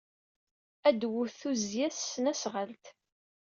Ad d-twet tuzzya s tesnasɣalt.